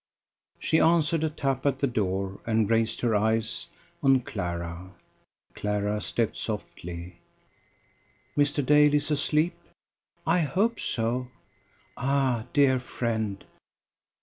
She answered a tap at the door, and raised her eyes on Clara. Clara stepped softly. "Mr. Dale is asleep?" "I hope so." "Ah! dear friend."